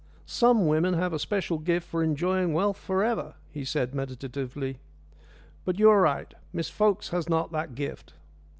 "Some women have a special gift for enjoying wealth for ever," he said meditatively. "But you are right; Miss Fokes has not that gift.